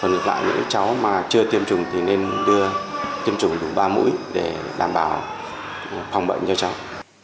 còn lại những cháu mà chưa tiêm chủng thì nên đưa tiêm chủng đủ ba mũi để đảm bảo phòng bệnh cho cháu